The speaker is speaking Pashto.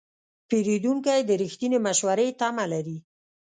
پیرودونکی د رښتینې مشورې تمه لري.